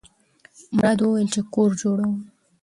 مراد وویل چې کور جوړوم.